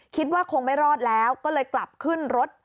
คิดว่าคงไม่รอดแล้วก็เลยกลับขึ้นรถ